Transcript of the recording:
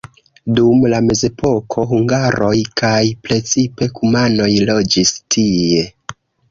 Dum la mezepoko hungaroj kaj precipe kumanoj loĝis tie.